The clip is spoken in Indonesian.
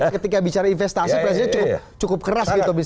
ketika bicara investasi presiden cukup keras gitu